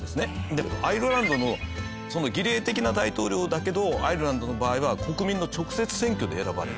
でアイルランドの儀礼的な大統領だけどアイルランドの場合は国民の直接選挙で選ばれるんです。